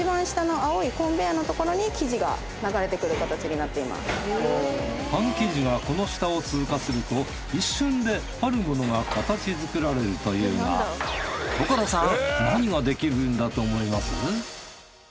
こちらがパン生地がこの下を通過すると一瞬であるものが形作られるというが所さん何ができるんだと思います？